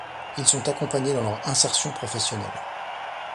Ils sont accompagnés dans leur insertion professionnelle.